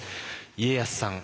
家康さん